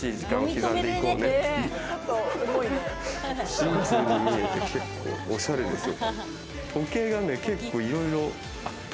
シンプルに見えて、結構、おしゃれですよ。